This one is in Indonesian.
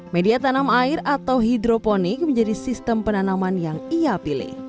media tanam air atau hidroponik menjadi sistem penanaman yang ia pilih